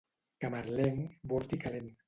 Camarlenc, bord i calent.